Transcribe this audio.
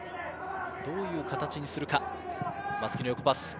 どういう形にするか。